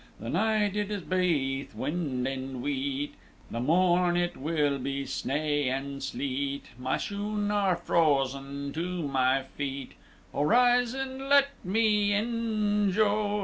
The night it is baith wind and weet; The morn it will be snaw and sleet; My shoon are frozen to my feet; O, rise an' let me in, joe!